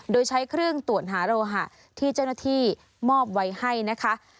โดยใช้เครื่องตรวจหาโลหะที่เจ้าหน้าที่มอบไว้ให้นะคะ